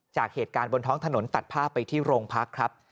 จากเหตุการณ์บนท้องถนนตัดภาพไปที่โรงพักครับ